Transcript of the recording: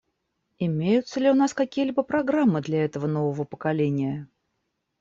Имеются ли у нас какие-либо программы для этого нового поколения?